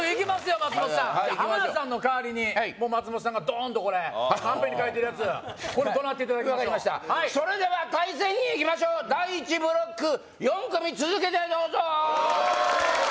松本さん浜田さんの代わりにもう松本さんがドーンとこれカンペに書いてるやつこれどなっていただきましょう分かりましたそれでは対戦にいきましょう第１ブロック４組続けてどうぞー！